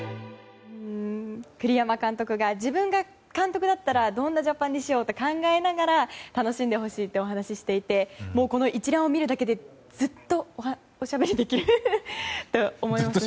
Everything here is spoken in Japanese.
栗山監督が自分が監督だったらどんな状態にしようと考えながら楽しんでほしいと語っていてもう、この一覧を見るだけでずっとおしゃべりできると思います。